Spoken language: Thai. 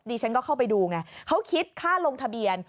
ฉันก็เข้าไปดูไงเขาคิดค่าลงทะเบียน